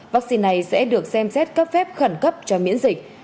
vaccine này sẽ được xem xét cấp phép khẩn cấp cho miễn dịch